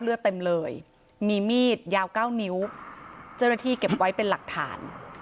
เลือดเต็มเลยมีมีดยาวเก้านิ้วเจ้าหน้าที่เก็บไว้เป็นหลักฐาน